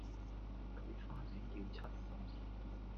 佢花名叫七索